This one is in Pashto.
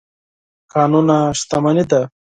کانونه شتمني ده.